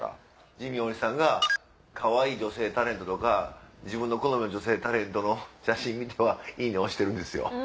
ジミー大西さんがかわいい女性タレントとか自分の好みの女性タレントの写真見ては「いいね！」押してるんですよ。